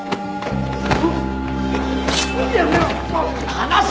離せ！